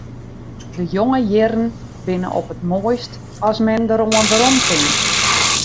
De jonge jierren binne op it moaist as men deroan weromtinkt.